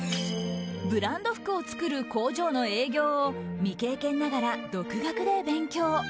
ブランド服を作る工場の営業を未経験ながら独学で勉強。